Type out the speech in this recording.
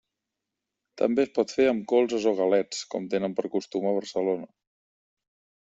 També es pot fer amb colzes o galets, com tenen per costum a Barcelona.